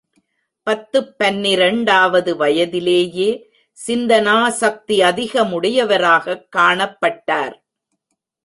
பத்துப் பனிரெண்டாவது வயதிலேயே சிந்தனா சக்தி அதிகமுடையவராகக் காணப்பட்டார்.